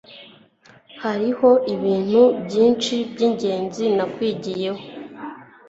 hariho ibintu byinshi byingenzi nakwigiyeho